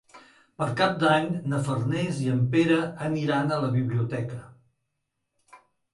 Per Cap d'Any na Farners i en Pere aniran a la biblioteca.